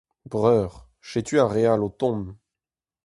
Breur, setu ar re all o tont.